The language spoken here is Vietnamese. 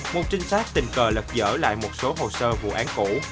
một trinh sát tình cờ lật dở lại một số hồ sơ vụ án cũ